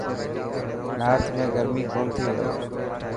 نارٿ ۾ گرمي ڪونٿي هئي.